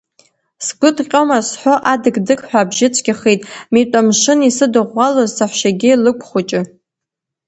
Сгәы ҭҟьома сҳәо, адық-дықҳәа абжьы цәгьахеит, митә амшын исыдыӷәӷәалоз саҳәшьагьы лыгә хәыҷы.